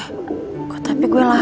eh kok tapi gue lapar ya